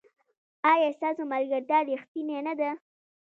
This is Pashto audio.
ایا ستاسو ملګرتیا ریښتینې نه ده؟